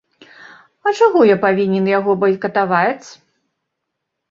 А чаго я павінен яго байкатаваць?!